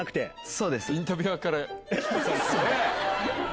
そうです。